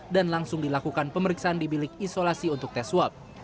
dan langsung dilakukan pemeriksaan di bilik isolasi untuk tes swab